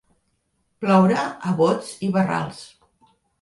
Ploure a bots i barrals.